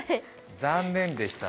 残念でした。